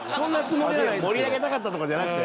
盛り上げたかったとかじゃなくて？